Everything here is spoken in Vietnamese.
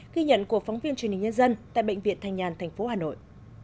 ghi nhận của phóng viên truyền hình nhân dân tại bệnh viện thanh nhàn thành phố hà nội